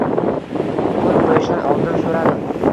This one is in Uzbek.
Qo‘l qo‘yishdan oldin so‘radim